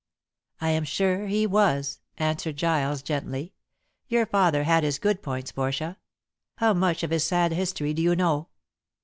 "I am sure he was," answered Giles gently. "Your father had his good points, Portia. How much of his sad history do you know?"